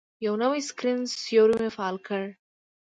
یو نوی سکرین سیور مې فعال کړ.